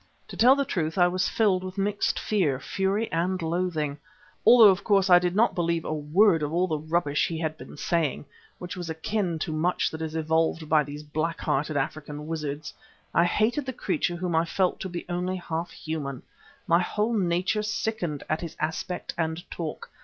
To tell the truth, I was filled with mixed fear, fury and loathing. Although, of course, I did not believe a word of all the rubbish he had been saying, which was akin to much that is evolved by these black hearted African wizards, I hated the creature whom I felt to be only half human. My whole nature sickened at his aspect and talk.